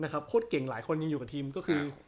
โคตรเก่งหลายคนยังอยู่กับทีมก็คือ